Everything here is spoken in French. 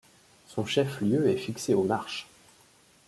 Son chef-lieu est fixé aux Marches.